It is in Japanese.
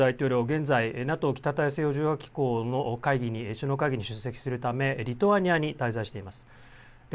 現在・ＮＡＴＯ・北大西洋条約機構の首脳会議に出席するためリトアニアに滞在しています。